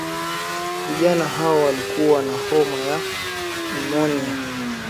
vijana hao walikuwa na homa ya pneumonia